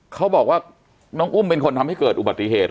เขาบอกว่าน้องอุ้มเป็นคนทำให้เกิดอุบัติเหตุ